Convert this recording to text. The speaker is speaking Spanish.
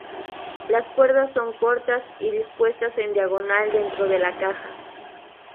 Las cuerdas son cortas y dispuestas en diagonal dentro de la caja.